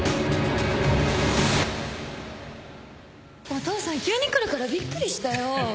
お父さん急に来るからびっくりしたよ。